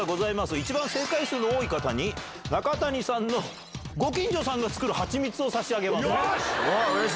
一番正解数の多い方に中谷さんのご近所さんの作る蜂蜜を差し上げよし！